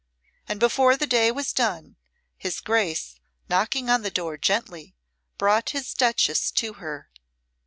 And before the day was done his Grace, knocking on the door gently, brought his Duchess to her.